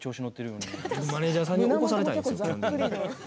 僕、マネージャーさんに起こされたいんですよ、基本的に。